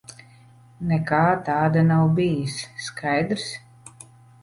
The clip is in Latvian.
Nekā tāda nav bijis. Skaidrs?